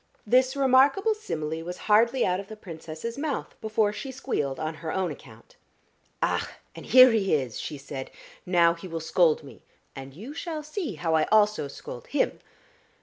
This remarkable simile was hardly out of the Princess's mouth before she squealed on her own account. "Ach, and here he is," she said. "Now he will scold me, and you shall see how I also scold him."